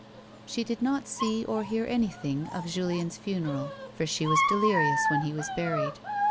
She did not see or hear anything of Julien's funeral for she was delirious when he was buried.